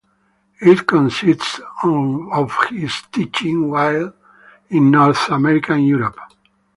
It consists of his teachings while in North America and Europe.